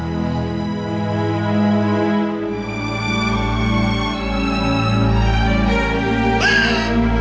dan tidak berjaya kepada allah